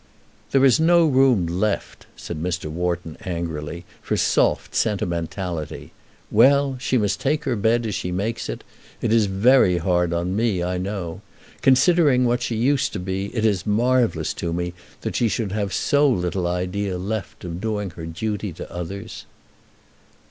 "There is no room left," said Mr. Wharton angrily, "for soft sentimentality. Well; she must take her bed as she makes it. It is very hard on me, I know. Considering what she used to be, it is marvellous to me that she should have so little idea left of doing her duty to others."